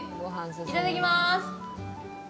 いただきまーす。